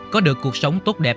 có được cuộc sống tốt đẹp